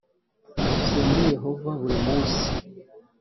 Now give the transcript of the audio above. Dusenge yehova buri munsi